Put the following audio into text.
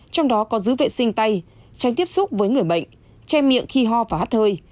trong đó có giữ vệ sinh tay tránh tiếp xúc với người bệnh che miệng khi ho và hát hơi